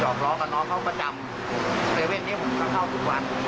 ยอบร้อยกับน้องเขาประจำนี้ผมเข้าเข้าทุกวันผม